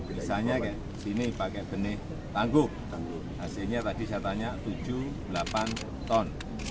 misalnya kayak sini pakai benih tangguh hasilnya tadi saya tanya tujuh delapan ton